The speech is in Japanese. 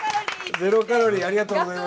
ゼロカロリーありがとうございます。